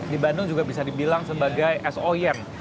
di bandung juga bisa dibilang sebagai es oyen